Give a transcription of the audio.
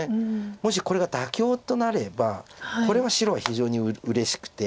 もしこれが妥協となればこれは白が非常にうれしくて。